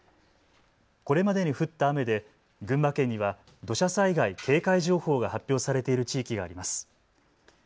これまでに降った雨で群馬県には土砂災害警戒情報が発表されている地域があります。